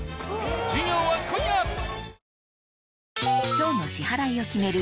今日の支払いを決める